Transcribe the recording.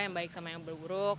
yang baik sama yang berburuk